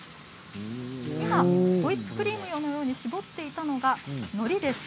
ホイップクリームのように絞っていったのが、のりです。